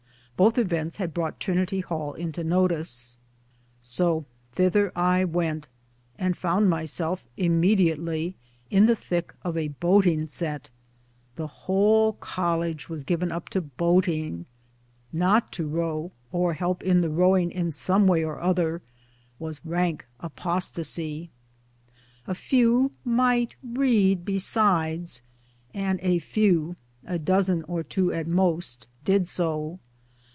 Both events had brought Trinity Hall into notice. So thither I went, and found myself immediately in the thick of a boating set. The whole College was given up to boating. Not to row or help in the rowing in some way or other was rank apostasy. A few might ' read besides, and a few a dozen or two at most did so.